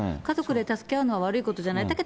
家族で助け合うのは悪いことじゃない。